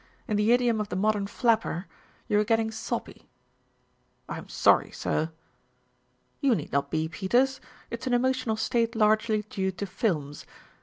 In the idiom of the modern flapper, you're getting soppy." "I'm sorry, sir." "You need not be, Peters. It's an emotional state largely due to films.